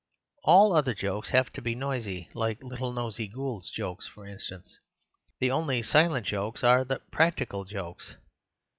All other jokes have to be noisy—like little Nosey Gould's jokes, for instance. The only silent jokes are the practical jokes.